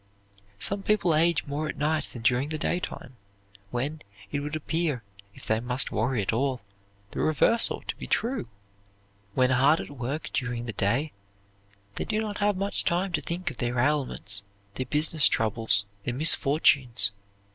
Some people age more at night than during the daytime, when, it would appear, if they must worry at all, the reverse ought to be true. When hard at work during the day they do not have much time to think of their ailments, their business troubles, their misfortunes.